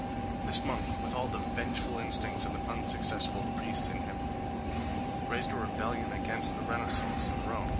This monk, with all the vengeful instincts of an unsuccessful priest in him, raised a rebellion against the Renaissance in Rome....